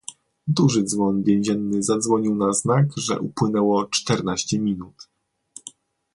"Duży dzwon więzienny zadzwonił na znak, że upłynęło czternaście minut."